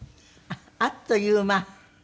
あっという間。